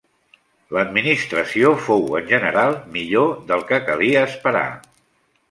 L'administració fou en general millor del que calia esperar.